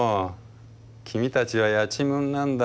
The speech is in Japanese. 君たちはやちむんなんだ。